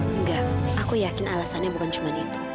enggak aku yakin alasannya bukan cuma itu